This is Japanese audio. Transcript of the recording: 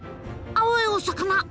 青いお魚！